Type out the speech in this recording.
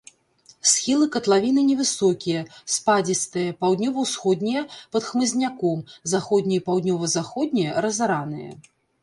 Схілы катлавіны невысокія, спадзістыя, паўднёва-ўсходнія пад хмызняком, заходнія і паўднёва-заходнія разараныя.